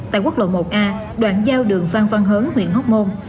tại quốc lộ một a đoạn giao đường phan văn hớn huyện hóc môn